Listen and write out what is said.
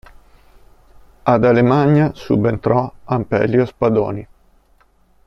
Ad Alemagna subentrò Ampelio Spadoni.